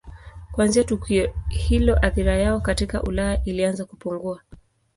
Kuanzia tukio hilo athira yao katika Ulaya ilianza kupungua.